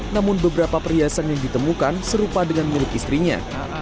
namun beberapa perhiasan yang ditemukan serupa dengan milik istrinya